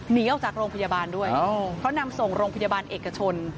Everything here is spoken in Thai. หนีออกจากโรงพยาบาลด้วยเพราะนำส่งโรงพยาบาลเอกชน